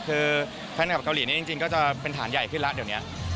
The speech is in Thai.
คือแฟนคลับเกาหลีนี้จริงก็จะเป็นฐานใหญ่ขึ้นแล้วเดี๋ยวนี้